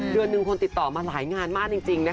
เดือนหนึ่งคนติดต่อมาหลายงานมากจริงนะคะ